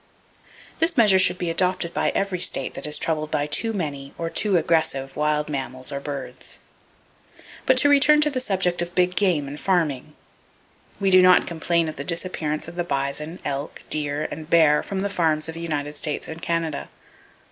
This measure should be adopted by every state that is troubled by too many, or too aggressive, wild mammals or birds. But to return to the subject of big game and farming. We do not complain of the disappearance of the bison, elk, deer and bear from the farms of the United States and Canada.